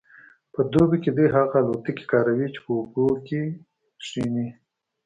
په دوبي کې دوی هغه الوتکې کاروي چې په اوبو کیښني